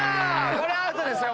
これアウトですよ